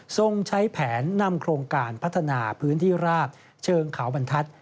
ใช้แผนนำโครงการพัฒนาพื้นที่ราบเชิงเขาบรรทัศน์